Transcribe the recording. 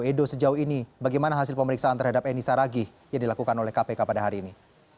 edo sejauh ini bagaimana hasil pemeriksaan terhadap eni saragih yang dilakukan oleh kpk pada hari ini